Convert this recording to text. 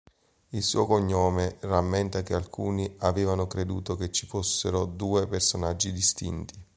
Il suo cognome rammenta che alcuni avevano creduto che ci fossero due personaggi distinti.